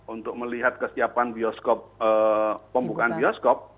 untuk melihat kesiapan bioskop pembukaan bioskop